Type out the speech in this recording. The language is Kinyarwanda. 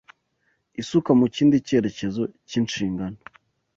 isuka mu kindi cyerekezo cy’inshingano